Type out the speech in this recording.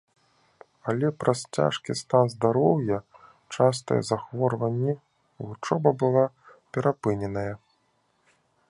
Але праз цяжкі стан здароўя, частыя захворванні вучоба была перапыненая.